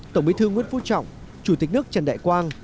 tổng bí thư nguyễn phú trọng chủ tịch nước trần đại quang